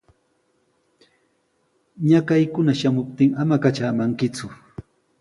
Ñakaykuna shamuptin ama katramankiku.